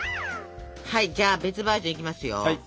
はいじゃあ別バージョンいきますよ。